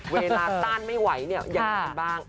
เวลาตั้งไม่ไหวเนี่ยเหมือนบ้าง